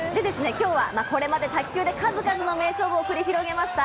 今日はこれまで卓球で数々の名勝負を繰り広げました。